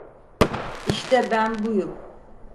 İşte ben buyum.